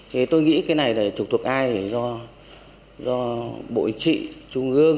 thì tôi nghĩ cái này là trực thuộc ai thì do bộ chỉ trung ương